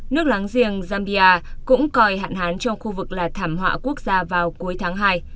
nước láng giềng zambia cũng coi hạn hán trong khu vực là thảm họa quốc gia vào cuối tháng hai